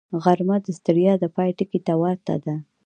غرمه د ستړیا د پای ټکي ته ورته ده